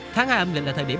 tháng hai âm lịch là thời điểm